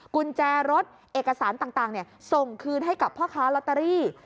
กุญแจรถเอกสารต่างส่งคืนให้กับพ่อค้าลอตเตอรี่